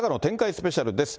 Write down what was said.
スペシャルです。